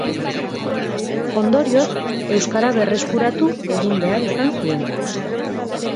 Ondorioz, euskara berreskuratu egin behar izan zuen.